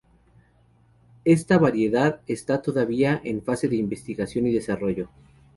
Esta variedad está todavía en fase de investigación y desarrollo.